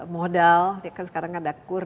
modal sekarang ada kur